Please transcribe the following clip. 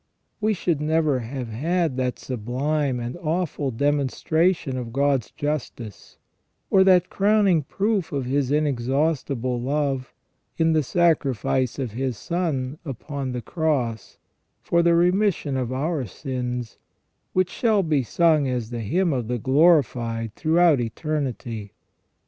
We should never have had that sublime and awful demonstration of God's justice, or that crowning proof of His inexhaustible love, in the sacrifice of His Son upon the Cross, for the remission of our sins, which shall be sung as the hymn of the glorified throughout eternity.